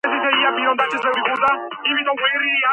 ლეგირებისათვის გამოიყენება მანგანუმი, სილიციუმი, რკინა და მაგნიუმი.